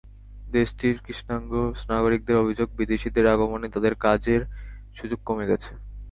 দেশটির কৃষ্ণাঙ্গ নাগরিকদের অভিযোগ, বিদেশিদের আগমনে তাঁদের কাজের সুযোগ কমে গেছে।